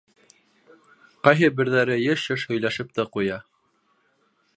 Ҡайһы берҙәре йыш-йыш һөйләшеп тә ҡуя.